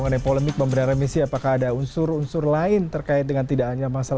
dan kami sudah berbicara dengan anda